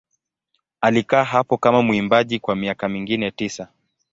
Alikaa hapo kama mwimbaji kwa miaka mingine tisa.